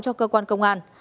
cho cơ quan công an